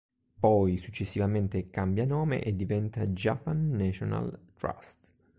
Poi successivamente cambia nome e diventa "Japan National Trust".